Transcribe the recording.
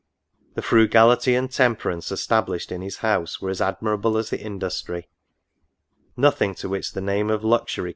The frugality and temperance established in his house, were as admirable as the industry. Nothing to which the name of luxury* ,<^' 60 ^* NOTES.